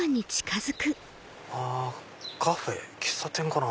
あカフェ喫茶店かな？